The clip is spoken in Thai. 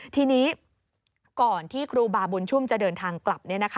ทีนี้ก่อนที่ครูบาบุญชุมจะเดินทางกลับ